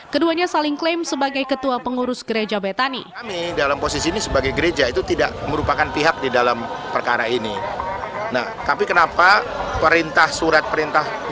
keduanya saling klaim sebagai ketua pengurus gereja betani